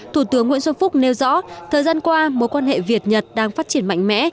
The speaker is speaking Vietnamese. thủ tướng nguyễn xuân phúc nêu rõ thời gian qua mối quan hệ việt nhật đang phát triển mạnh mẽ